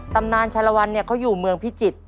ตำนานชาลวันเนี่ยเขาอยู่เมืองพิจิตร